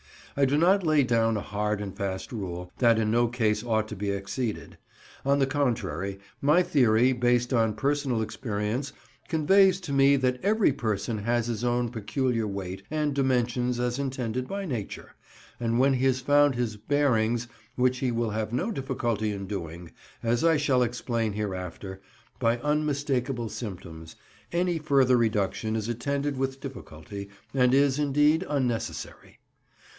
I do not lay down a hard and fast rule, that in no case ought it to be exceeded. On the contrary, my theory, based on personal experience, convinces me that every person has his own peculiar weight and dimensions as intended by Nature, and when he has found his "bearings"—which he will have no difficulty in doing, as I shall explain hereafter, by unmistakable symptoms—any further reduction is attended with difficulty, and is, indeed, unnecessary.